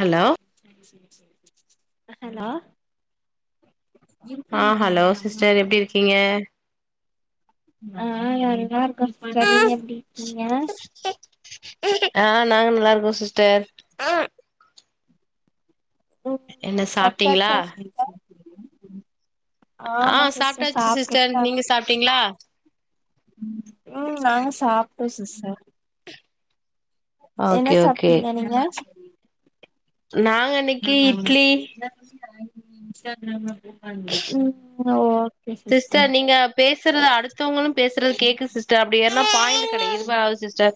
Hello hello ஆ hello sister எப்டி இருக்கீங்க ஆ நல்லாருக்கோ சிஸ்டர் நீங்க எப்டி இருக்கீங்க ஆ நாங்க நல்லாருக்கோ சிஸ்டர் ம் என்ன பாப்பா சாப்ட்டீங்களா சாப்டுட்ருக்கா ஆமா சிஸ்டர் சாப்ட்டுட்டுதா சாப்ட்டீங்ளா ம் நாங்க சாப்ட்டோ சிஸ்டர் ஆ என்ன ஓகே ஓகே சாப்ட்டீங்க நீங்க நாங்க இன்னைக்கு நாங்க இட்லி [inaudible] இன்ஸ்டாகிராம்ல ம் ஓகே சிஸ்டர் பேசுறது அடுத்தோங்களு பேசுறது கேக்குது சிஸ்டர் அப்டி ஏர்னா பாயிண்ட் கெடைக் இதுவாகு சிஸ்டர்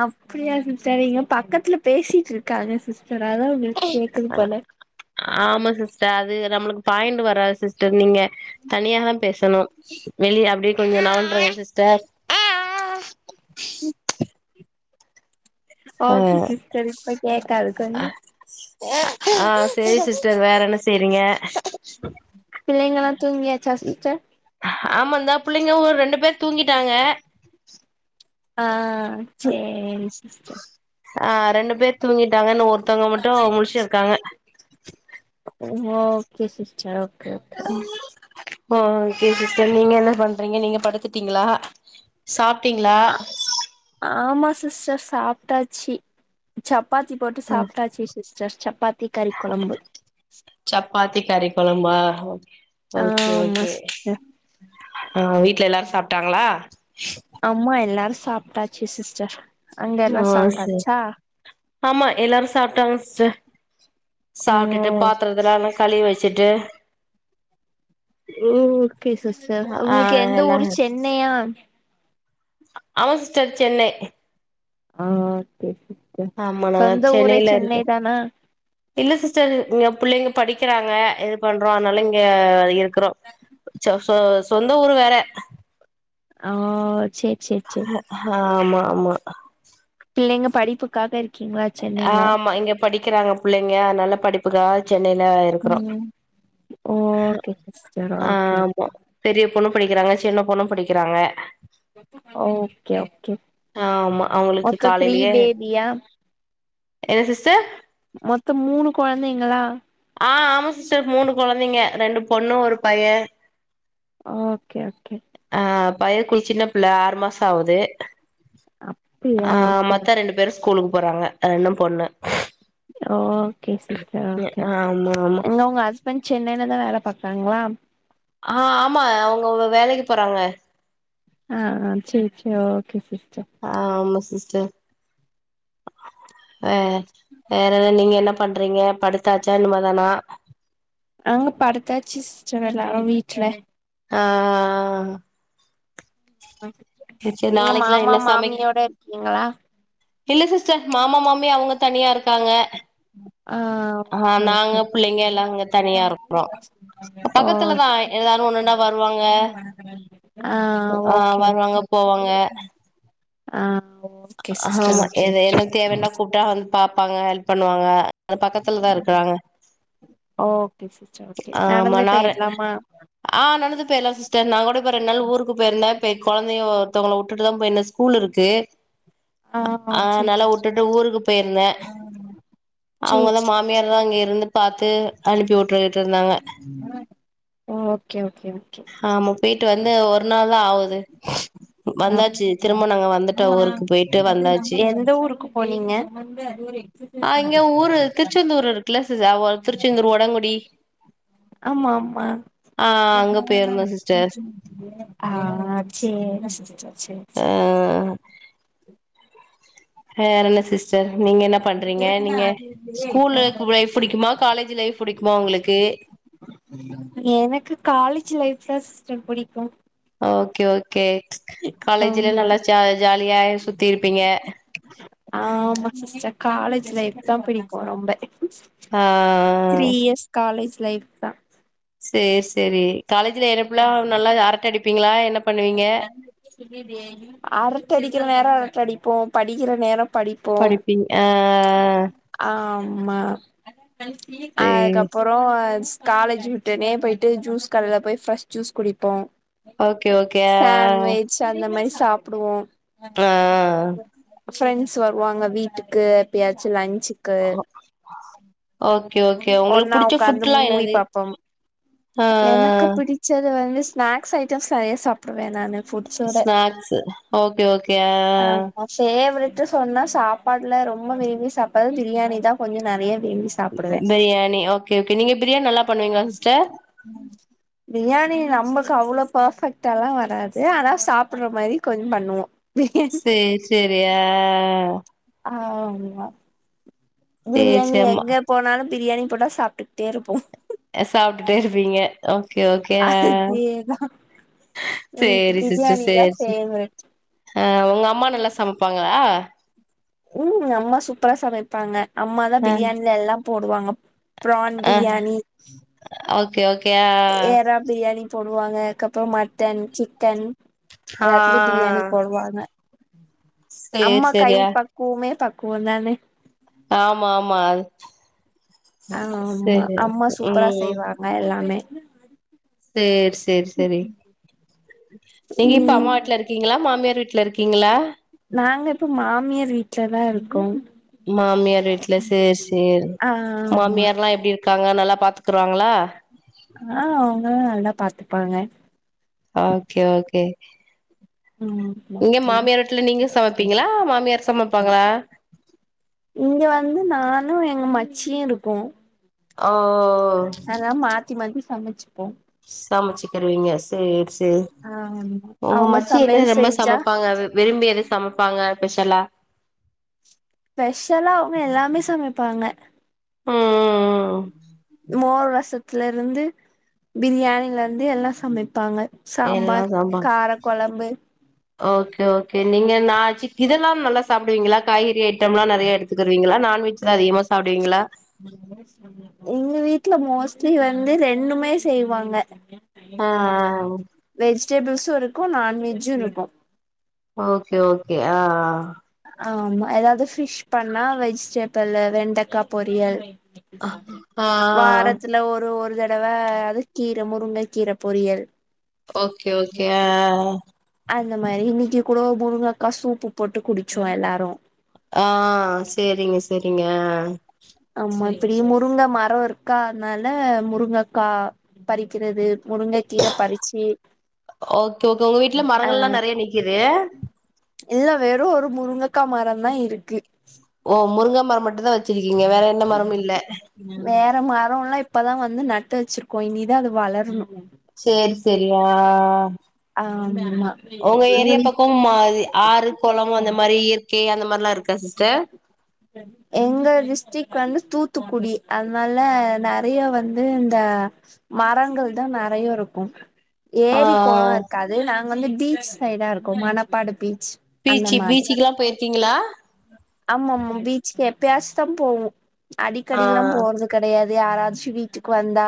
அப்புடியா சிஸ்டர் இங்க பக்கத்துல பேசிட்ருக்காங்க சிஸ்டர் அதா உங்களுக்கு கேக்குது போல ஆமா சிஸ்டர் அது நம்ளுக்கு பாயிண்டு வராது சிஸ்டர் நீங்க தனியாதா பேசணு வெளிய அப்டியே கொஞ்சோ நவுண்றுங்க சிஸ்டர் ஆ ஓகே சிஸ்டர் இப்ப கேகாது கொஞ்சோ ஆ சேரி சிஸ்டர் வேற என்ன செய்றீங்க பிள்ளைங்களா தூங்கியாச்சா சிஸ்டர் ஆமா இந்தா பிள்ளைங்களு ஒரு ரெண்டு பேர் தூங்கிட்டாங்க ஆ சேரி சிஸ்டர் ஆ ரெண்டு பேர் தூங்கிட்டாங்க இன்னு ஒர்த்தோங்க மட்டு முழிச்சுருக்காங்க okay sister okay okay okay sister நீங்க என்ன பண்றீங்க நீங்க படுத்துட்டீங்களா சாப் டிங்ளா ஆமா சிஸ்டர் சாப்டாச்சி சப்பாத்தி போட்டு சாப்டாச்சி சிஸ்டர் சப்பாத்தி கறி கொழம்பு சப்பாத்திக் கறி கொழம்பா ஓகே ஆ ஓகே ஆமா ஓகே சிஸ்டர் ஆ வீட்ல எல்லாரு சாப்டாங்களா ஆமா எல்லாரு சாப்ட்டாச்சு சிஸ்டர் அங்க எல்லா ஆ செ சாப்ட்டாச்சா ஆமா எல்லாரு சாப்ட்டாங்க சிஸ்டர் ஓ சாப்ட்டுட்டு பாத்தரத்தலா நல்லா கழுவி வெச்சுட்டு ஓக்கே சிஸ்டர் ஆ உங்குளுக்கு எந்த எல்லா ஊரு சென்னையா ஆமா சிஸ்டர் சென்னை ஆ ஒகே ஒகே கே ஆமா நாங்க சொந்த ஊரே சென்னையில இருக்கோ சென்னை தானா இல்ல சிஸ்டர் இங்க புள்ளைங்க படிக்கறாங்க பண்றோ அதனால இங்க இருக்குறோ [unintelligible] சொந்த ஊரு வேற ஆ சேர் சேர் சேர் அ ஹ ஆமா ஆமா பிள்ளைங்க படிப்புக்காக இருக் ஆ ஆமா இங்க படிக்கிறாங்க புள்ளைங்க அதனால படிப்புக்காக சென்னையில இருக்குறோ ம் ஓகே சிஸ்டர் ஓகே ஆமா பெரிய பொண்ணு படிக்கிறாங்க சின்ன பொண்ணு படிக்கிறாங்க ஓகே ஓகே ஆமா அவங்களுக்கு மொத்தோ த்ரீ காலையிலயே பேபியா என்ன சிஸ்டர் மொத்தோ மூணு கொழந்தைங்களா ஆ ஆமா சிஸ்டர் மூணு கொழந்தைங்க ரெண்டு பொண்ணு ஒரு பைய அ ஓகே ஓகே ஆ பய குள் சின்ன பிள்ள ஆறு மாச ஆவுது. அ ஆ மத்த ரெண்டு பேரு ஸ்கூலுக்கு போறாங்க ரெண்டூ பொண்ணு. ஓகே சிஸ்டர் ஓகே ஆமா ஆமா எங்க உங்க ஹஸ்பண்ட் சென்னைல தா வேல பாக்றாங்ளா ஆ ஆமா அவுங்க வே வேலைக்கு போறாங்க ஆ ஆ செர் செரி ஓகே சிஸ்டர் ஆ ஆமா சிஸ்டர் அ வேற என்ன நீங்க என்ன பண்றீங்க படுத்தாச்சா இன்மே தானா அங்க படுத்தாச்சி சிஸ்டர் எல்லாரு வீட்ல ஆ சரி நீங்க நாளைக்குல்லா மாமா என்ன சமைக் மாமியோட இருக்கீங்களா இல்ல சிஸ்டர் மாமா மாமி அவுங்க தனியா இருக்காங்க ஆ ஆ ஓகே நாங்க ஓகே புள்ளைங்க எல்லா அங்க தனியா இருக்றோ. ஓ பக்கத்துலதா எதான ஒன்னுனா வருவாங்க ஆ ஆ ஓகே வருவாங்க ஓகே போவாங்க ஆ ஒ ஆமா எத என்னன் தேவனா கூப்ட்டா வந்து பாப்பாங்க ஹெல்ப் பண்ணுவாங்க அது பக்கத்தில்தா இருக்கறாங்க ஓகே சிஸ்டர் ஓகே ஆ நடந்தே மணாறா போயிரலாமா ஆ நடந்து போய்லா சிஸ்டர் நா கூட இப்ப ரெண் நாள் ஊருக்கு பேயிருந்தே இப்ப எ கொழந்தையு ஒர்த்தவங்கள உட்டுட்டு தா போயிருந்த ஸ் கூல் இருக்கே ஆ சேரி நல்லா சேரி உட்டுட்டு ஊருக்கு போயிருந்தே சேரி அவுங்கதா மா சேரி எல்லா அங்க இருந்து பாத்து அனுப்பி உட்டுர்ட்ருந்தாங்க ஓ ஓகே ஓகே ஓகே ஆமா போய்ட்டு வந்து ஒரு நாள் தா ஆவுது. வந்தாச்சி. திரும்ப நாங்க வந்துட்டோ ஊருக்கு போய்ட்டு வந்தாச்சி எந்த ஊருக்கு போனீங்க ஆ இங்க ஊரு திருச்செந்தூரு இருக்குல்ல சிஸ் அ ஒ திருச்செந்தூர் ஒடங்குடி ஆமா ஆமா ஆ அங்க போயிருந்தோ சிஸ்டர் ஆ சேரி சிஸ்டர் சே ஆ வேற என்ன சிஸ்டர் நீங்க என்ன பண்றீங்க நீங்க ஸ்கூலு [unintelligible] புடிக்குமா காலேஜ் லைஃப் புடிக்குமா உங்களுக்கு எனக்கு காலேஜ் லைஃப்தா சிஸ்டர் புடிக்கு ஆ ஓகே ஓகே காலேஜ்ல ஆமா நல்லா ஜ ஜாலியா சுத்தி இருப்பீங்க ஆமா சிஸ்டர் காலேஜ் லைஃப்தா பிடிக்கு ரொம்ப ஆ த்ரீ இயர்ஸ் காலேஜ் லைஃப் தா சேர் சேர் காலேஜ்ல எறப்புலா நல்லா அரட்ட அடிப்பீங்களா என்ன பண்ணுவீங்க அரட்ட அடிக்கிற நேரோ அரட்ட அடிப்போ படிக்கிற நேரோ படிப்போம் படிப்பீங் ஆ ஆமா சேரி அதுக்கப்பறோ காலேஜ் விட்டோனே போயிட்டு ஜூஸ் கடல போய் ஃப்ரஸ் ஜூஸ் குடிப்போ ஓகே ஓகே ஆ ஆ ஆ சோ அந்த மாரி சாப்புடுவோ ஆ ஆ ஃப்ரெண்ட்ஸ் வருவாங்க வீட்டுக்கு எப்பயாச்சு லன்ச் கு ஓகே ஓகே உங்களுக்கு ஒன்னா புடிச்ச உக்காந்து ஃபுட்ல்லா மூவி என்னது பாப்பம் ஆ எனக்கு பிடிச்சது வந்து ஸ்நாக்ஸ் ஐட்டம்ஸ் நெறையா சாப்புடுவே நானு ஃபுட்ஸோட ஸ்நாக்ஸ்சு ஓகே ஓகே ஆ ஆ ஃபேவரட்டு சொன்னா சாப்பாடுல ரொம்ப விரும்பி சாப்ட்றது பிரியாணி தா கொஞ்ச நெறையா விரும்பி சாப்டுவே பிரியாணி ஓகே ஓகே நீங்க பிரியாணி நல்லா பண்ணுவீங்களா சிஸ்டர் பிரியாணி நம்பக்கு அவ்ளோ பர்ஃபெக்டாலா வராது ஆனா சாப்ட்ற மாரி கொஞ்சோ பண்ணுவோ பிரியாணி சேர் சேரி ஆ ஆ ஆ ஆமா சேரி பிரியாணி சேரி எங்க போனாலு பிரியாணி போட்டா சாப்ட்டுக்குட்டே இருப்போ சாப்டுட்டே இருப்பீங்க ஓகே ஓகே ஆ அதேதா எனக்கு சேரி சிஸ்டர் பிரியாணி தா சேரி ஃபேவரெட் ஆ உங்க அம்மா நல்லா சமைப் பாங்களா ம் அம்மா சூப்பரா சமைப்பாங்க அம்மாதா ஆ பிரியாணில எல்லா போடுவாங்க பிரான் ஆ பிரியாணி ஓகே ஓகே ஆ எரா பிரியாணி போடுவாங்க அதுக்கப்றோ மட்டன் சிக்கன் ஆ ஆ எல்லாத்துலையு பிரியாணி போடுவாங்க சேரி அம்மா கை சேரி ஆ பக் குவமே பக்குவந்தானே ஆமா ஆமா ஆமா சேரி அம்மா சூப்பரா செய்வாங்க எல்லாமே சேர் சேரி சேரி நீங்க இப்ப ம் அம்மா வீட்ல இருக் க்கீங்களா மாமியார் வீட்ல இருக்கீங்களா நாங்க இப்போ மாமியார் வீட்ல தா இருக்கோ மாமியார் வீட்ல சேர் சேரி ஆமா மாமியார்லா எப்டி காங்க நல்லா பாத்துக்கறாங்களா ஆ அவங்க நல்லா பாத்துப்பாங்க ஓகே ஓகே ம் இங்க மாமியார் வீட்ல நீங்க சமப்பீங்களா மாமியார் சமப்பாங்களா இங்க வந்து நானு எங்க மச்சியு இருக்கோ ஓ அதா மாத்தி மாத்தி சமச்சுப்போ சமச்சுக்குருவீங்க சேரி சேரி ஆமா உங்க அவங்க மச்சி என்ன சமையல் ரொம்ப செஞ்சா சமப்பாங்க அது விரும்பி எது சமப்பாங்க பெஷலா ஸ்பெஷலா அவங்க எல்லாமே சமப்பாங்க ம் ம் ம் மோர் ரசத்துல இருந்து பிரியாணில இருந்து எல்லா சமப்பாங்க எல்லா சாம்பார் சமைப்பாங்க கார கொழம்பு ஓகே ஓகே நீங்க நாச்சுக் இதெல்லா நல்லா சாப்டுவீங்களா காய்கறி ஐட்டம்ல்லா நெறைய எடுத் த்குருவீங்களா நான்வெஜ்லா அதிகமா சாப்டுவீங்களா உங்க வீட்ல மோஸ்ட்லி வந்து ரெண்டுமே செய்வாங்க ஆ ஆ ஆ வெஜிடபிள்சு இருக்கு நான்வெஜ்ஜு இருக்கு ஓகே ஓகே ஆ ஆ ஆமா ஏதாவது பிஷ் பண்ணா வெஜிடேபிள் வெண்டக்கா பொரியல் ஆ ஆ வாரத்துல ஒரு ஒரு தடவ அது கீர முருங்க கீர பொரியல் ஓகே ஓகே ஆ ஆ ஆ அந்த மாரி இன்னிக்கு கூட முருங்காக்கா சூப்பு போட்டு குடிச்சோ எல்லாரு ஆ சேரிங்க சேரிங்க அ ஆமா இப்பிடி முருங்க மரோ இருக்கா அதுனால முருங்கக்கா பறிக்கிறது முருங்ககீர பறிச்சு ஓகே ஓகே உங்க வீட்ல மரங்கள்ளா நெறையா நிக்குது இல்ல வெறு ஒரு முருங்கக்கா மரதா இருக்கு ஓ முருங்க மர மட்டு தா வச்சிருக்கீங்க வேற என்ன மரமு இல்ல வேற மரம்லா இப்பதா வந்து நட்டு வச்சிர்க்கோ இனிதா அது வளர்ணும் சேர் செரியா ஆம்மா ம்ம் மாரி ஆறு குள அந்த மாரி இயற்கை அந்த மாரிலா இருக்கா சிஸ்டர் எங்க டிஸ்ட்ரிக்ட் வந்து தூத்துக்குடி அதனால நெறைய வந்து இந்அ மரங்கள் தா நெறைய இருக்கும் ஆ ஏரி குள இருக்கு அது நாங்க வந்து பீச் சைடா இருக்கோ மணப்பாடு பீச் அந்த பீச்சி பீச்சிக்குலா போயிருக்கீங்களா ஆமா ஆமா பீச் எப்யாச்சும் தா போவோ ஆ அடிக்கடி ல்லா போற்து கடையாது யாராச்சும் வீட்டுக்கு வந்தா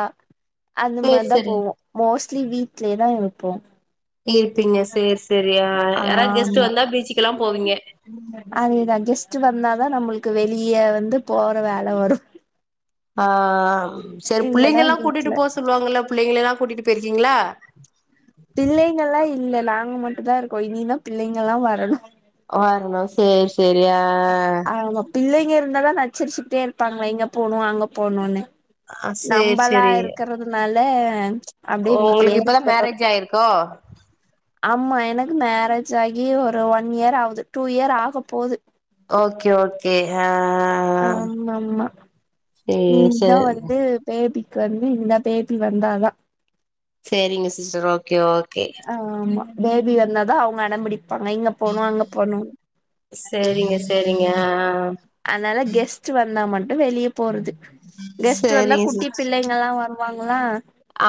அந்த சேரி மாரிதா சேரி போவோ மோஸ்ட்லி வீட்லே தா இருப்போ இருப்பீங்க செர் சேரி் யாராவது கெஸ்ட்ட் ஆமா வந்தா பீச்சுக்கெல்லா போவீங்க அதேதா கெஸ்ட் வந்தாதா நம்பளுக்கு வெளிய வந்து போற வேல வரு ஆஹ் ஆஹ் சரி இல்லன்னா புள்ளைங்கள்ளா கூட்டிட்டு வீட்ல போக சொல்லுவாங்கல்ல புள்ளங்கல்ல கூட்டிட்டு போயிருக்கீங்களா பிள்ளெங்கெல்லா இல்ல நாங்க மட்டு தா இருக்கோ இனிதா பிள்ளெகல்லா வரணு வரணு சேரி சேரி அ ஆமா பிள்ளைங்க இருந்தாதா நச்சரிச்சுட்டே இருப்பாங்களே இங்க போணு அங்க போணுனு ஆ சேரி நம்பளா சேரி இருக்குறதுனால அப்டே உங்களுக்கு வீடலயே இப்பதா இருக்குறது மேரேஜ் ஆயிருக்கோ ஆமா எனக்கு மேரேஜ் ஆகி ஒரு ஒன் இயர் ஆவுது டூ இயர் ஆக போது ஓக்கே ஓக்கே ஆ ஆ ஆமா ஆமா நீ சேரி தா சேரி வந்து பேபிக்கு வந்து இந்த பேபி வந்தாதா செரிங்க சிஸ்டர் ஓக்கே ஓக்கே ஆ ஆமா பேபி வந்தாதா அவுங்க அடம்பிடிப்பாங்க இங்க போனு அங்க போணு செரிங்க செரிங்க அ அ அ அன்னால கெஸ்ட் வந்தா மட்டு வெளிய போறது கெஸ்ட் வந்தா சேரிங்க குட்டி சிஸ் பிள்ளை ங்லா வருவாங்களா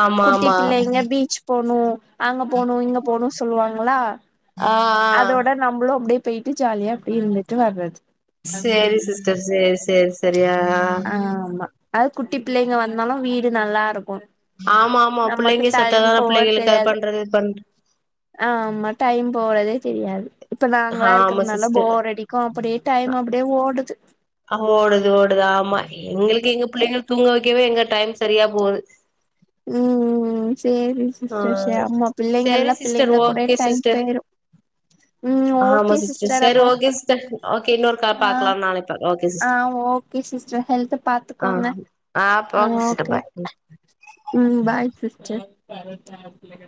ஆமா குட்டி ஆமா பிள்ளைங்க பீச் போணு அங்க போணு இங்க போணு சொல்வாங்ளா ஆ ஆ அதோட நம்ளு அப்டி போயிட்டு ஜாலியா அப்டி இருந்துட்டு வர்றது செரி சிஸ்டர் செரி செரி செரி ஆ ஆ ஆ ஆமா அது குட்டி பிள்ளைங்க வந்தாலு வீடு நல்லா ருக்கு ஆமா ஆமா புள்ளைங்க சத்தாதா புள்ளைகளுக்கு அது பண்றது இத் பண் ஆ ஆமா டைம் போறதே தெரியாது இப்ப நாங்களா ஆமா இருக்கறனால சிஸ்டர் போர் அடி க்கு அப்டே டைம் அப்டே ஓடுது ஆ ஓடுது ஓடுது ஆமா எங்ளுக்கு எங்க பிள்ளைங்கள் தூங்க வக்கவே எங்க டைம் சரியா போது ம் ம் ம் சேரிங் ஆ சிஸ்டர் ச ஆமா சேரி பிள்ளைங்கள்ளா சிஸ்டர் பிள்ளைங்ளா கூடே ஓகே டைம் சிஸ்டர் போயிரு ம் ஓக்கே சிஸ்டர் அப்போ [unintelligible] ஓக்கே இன்னொர் கால் ஆ பாக்லாம் நாளைக் ஆ ஓக்கே சிஸ்டர் ஹெல்த்த ஆ பாத்துக்கோங்க ஆ ஓகே சிஸ்டர் ஓக்கே பாய் ம் பாய் சிஸ்டர்